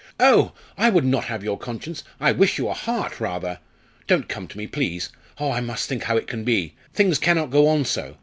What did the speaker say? Oh! I would not have your conscience I wish you a heart rather! Don't come to me, please! Oh! I must think how it can be. Things cannot go on so.